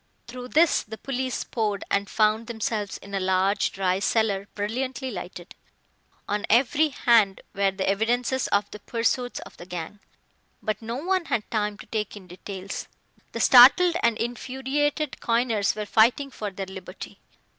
Through this the police poured, and found themselves in a large, dry cellar, brilliantly lighted. On every hand were the evidences of the pursuits of the gang. But no one had time to take in details. The startled and infuriated coiners were fighting for their liberty.